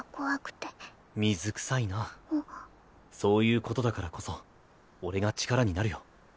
そういうことだからこそ俺が力になるよ。